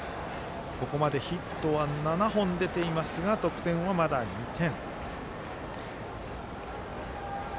ここまでヒットは７本出ていますが得点はまだ２点。